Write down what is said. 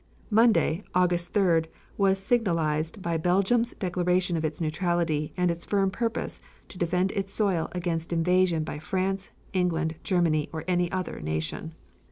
Monday, August 3d, was signalized by Belgium's declaration of its neutrality and its firm purpose to defend its soil against invasion by France, England, Germany or any other nation.